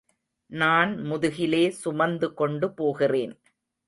நான் முதுகிலே சுமந்துகொண்டு போகிறேன்.